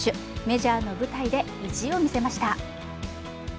メジャーの舞台で意地を見せました。